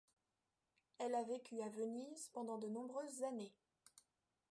Elle a vécu à Venise pendant de nombreuses années.